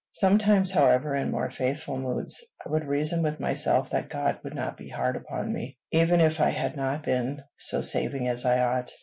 Sometimes, however, in more faithful moods, I would reason with myself that God would not be hard upon me, even if I had not been so saving as I ought.